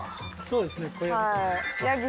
そうですね小屋。